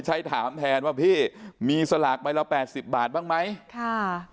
ถามแทนว่าพี่มีสลากใบละแปดสิบบาทบ้างไหมค่ะ